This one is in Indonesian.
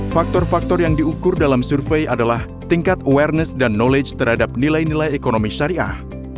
faktor faktor yang diukur dalam survei adalah tingkat awareness dan knowledge terhadap nilai nilai ekonomi syariah